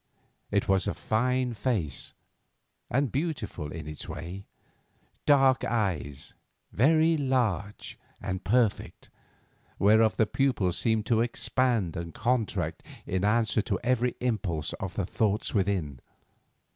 It was a fine face, and beautiful in its way. Dark eyes, very large and perfect, whereof the pupils seemed to expand and contract in answer to every impulse of the thoughts within.